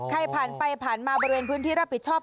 ใครผ่านไปผ่านมาบริเวณพื้นที่รับผิดชอบ